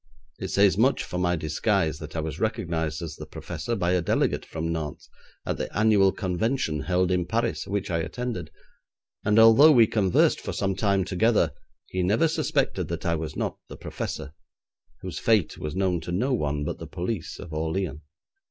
It says much for my disguise that I was recognised as the professor by a delegate from Nantes, at the annual Convention held in Paris, which I attended, and although we conversed for some time together he never suspected that I was not the professor, whose fate was known to no one but the police of Orleans.